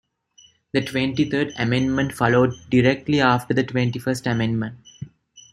The Twenty-third Amendment followed directly after the Twenty-first Amendment.